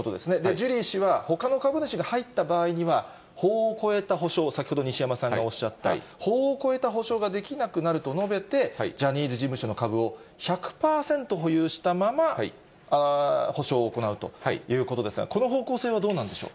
ジュリー氏はほかの株主が入った場合には、法を超えた補償、先ほど、西山さんがおっしゃった、法を超えた補償ができなくなると述べて、ジャニーズ事務所の株を１００％保有したまま、補償を行うということですが、この方向性はどうなんでしょう。